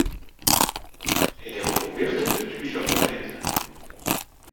Elle est recouverte de tuiles romaines.